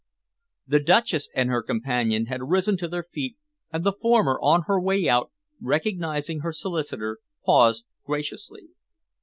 The Duchess and her companion had risen to their feet, and the former, on her way out, recognising her solicitor, paused graciously.